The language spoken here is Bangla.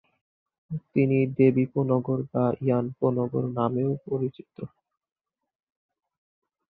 তিনি "দেবী পো নগর" বা "ইয়ান পো নগর" নামেও পরিচিত।